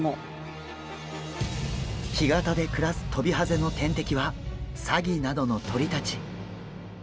干潟で暮らすトビハゼの天敵はサギなどの鳥たち。